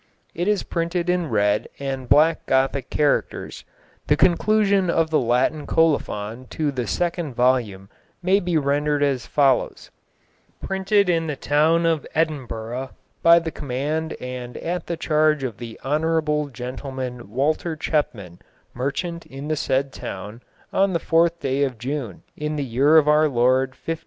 It is printed in red and black Gothic characters. The conclusion of the Latin colophon to the second volume may be rendered as follows: "Printed in the town of Edinburgh, by the command and at the charge of the honourable gentleman Walter Chepman, merchant in the said town, on the fourth day of June in the year of our Lord 1510."